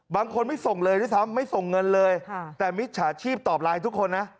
บางคนไม่ส่งเลยนะครับไม่ส่งเงินเลยแต่มิจฉาชีพตอบร้ายทุกคนนะ